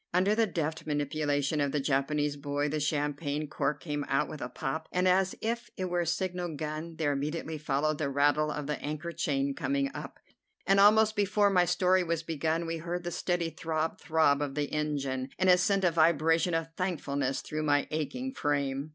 Under the deft manipulation of the Japanese boy, the champagne cork came out with a pop, and, as if it were a signal gun, there immediately followed the rattle of the anchor chain coming up, and almost before my story was begun, we heard the steady throb throb of the engine, and it sent a vibration of thankfulness through my aching frame.